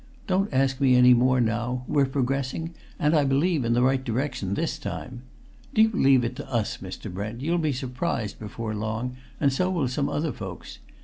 "Don't ask me any more now; we're progressing, and, I believe, in the right direction this time. Do you leave it to us, Mr. Brent; you'll be surprised before long and so will some other folks.